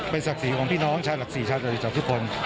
ศักดิ์ศรีของพี่น้องชาวหลักศรีชาวจริจักรทุกคน